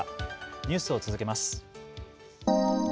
ニュースを続けます。